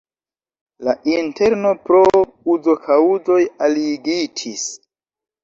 La interno pro uzokaŭzoj aliigitis.